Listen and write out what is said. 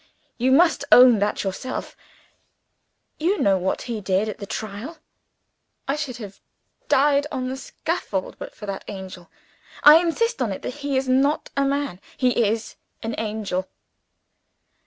You must own that yourself you know what he did at the trial. I should have died on the scaffold but for that angel. I insist on it that he is not a man. He is an angel!"